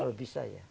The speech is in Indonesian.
kalau bisa ya